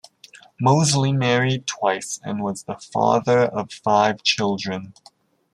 Mosley married twice and was the father of five children.